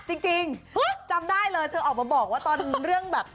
จริงจำได้เลยเธอออกมาบอกว่าตอนเรื่องแบบ